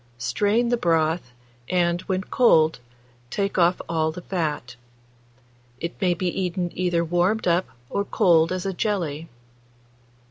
Strain the broth, and, when cold, take off all the fat. It may be eaten either warmed up or cold as a jelly.